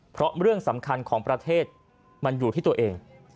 เพราะเรื่องสำคัญของประเทศมันอยู่ที่ตัวเอง